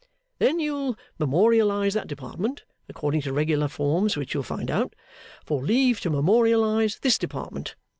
Then you'll memorialise that Department (according to regular forms which you'll find out) for leave to memorialise this Department.